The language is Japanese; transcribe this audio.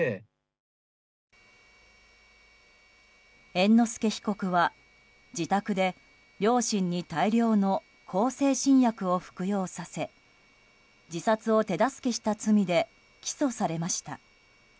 猿之助被告は自宅で両親に大量の向精神薬を服用させ自殺を手助けした罪で起訴されました。